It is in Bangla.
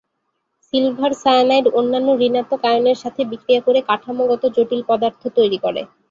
সিলভার সায়ানাইড অন্যান্য ঋণাত্মক আয়নের সাথে বিক্রিয়া করে কাঠামোগত জটিল পদার্থ তৈরি করে।